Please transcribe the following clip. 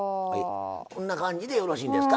こんな感じでよろしいんですか。